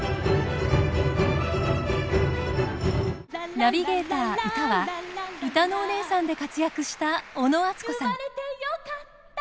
ナビゲーター歌は歌のお姉さんで活躍した小野あつこさん。